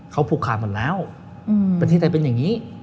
เขาผูกขาดหมดแล้วประเทศไทยเป็นอย่างนี้